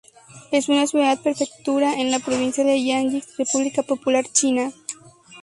Es una ciudad-prefectura en la provincia de Jiangxi, República Popular China.